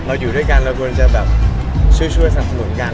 อยู่ด้วยกันเราควรจะแบบช่วยสนับสนุนกัน